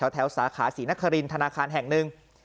สาขาศรีนครินธนาคารแห่งหนึ่ง